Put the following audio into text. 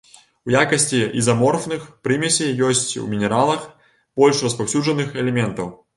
У якасці ізаморфных прымесей ёсць у мінералах больш распаўсюджаных элементаў.